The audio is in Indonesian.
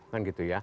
kan gitu ya